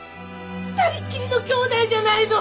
二人っきりの姉妹じゃないの！